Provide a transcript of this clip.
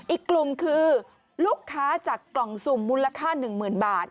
อีกกลุ่มคือลูกค้าจากกล่องสุ่มมูลค่า๑๐๐๐บาท